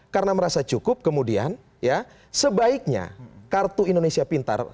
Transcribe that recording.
karena merasa cukup kemudian ya sebaiknya kartu indonesia pintar